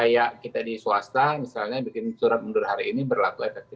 kayak kita di swasta bisa kan bikin surat mundur hari ini berlaku efektif aja